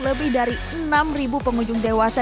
lebih dari enam pengunjung dewasa